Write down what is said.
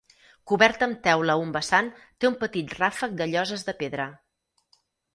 Coberta amb teula a un vessant, té un petit ràfec de lloses de pedra.